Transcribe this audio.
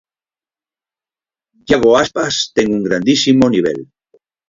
Iago Aspas ten un grandísimo nivel.